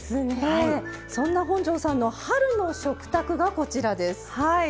そんな本上さんの春の食卓です。